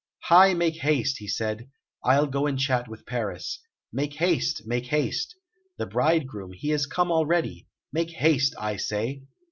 "Hie, make haste!" he said. "I'll go and chat with Paris. Make haste, make haste! The bridegroom, he is come already! Make haste, I say!"